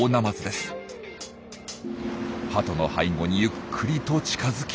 ハトの背後にゆっくりと近づき。